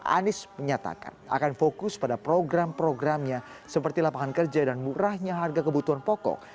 anies menyatakan akan fokus pada program programnya seperti lapangan kerja dan murahnya harga kebutuhan pokok